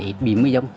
ít bím cái giống